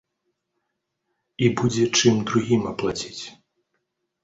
І будзе чым другім аплаціць.